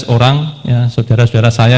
orang saudara saudara saya